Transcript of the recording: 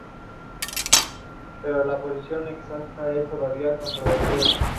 Thompson permanecería como miembro estable.